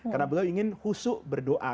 karena beliau ingin husu berdoa